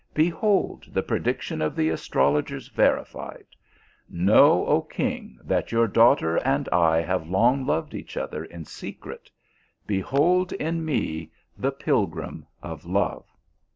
Behold the prediction of the astrologers verified. Know, oh king, that your THE PILGRIM OF LOVE. 221 daughter and I have long loved each other in secret. Behold in me the pilgrim of love."